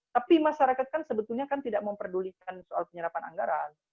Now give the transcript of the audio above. tapi masyarakat kan sebetulnya kan tidak memperdulikan soal penyerapan anggaran